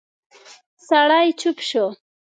سړی چوپ شو.